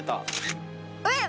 えっ！